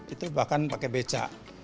itu bahkan pakai becak